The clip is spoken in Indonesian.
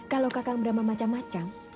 kalau kakak berama macam macam